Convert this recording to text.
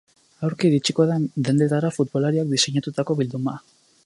Aurki iritsiko da dendetara futbolariak diseinatuko bilduma.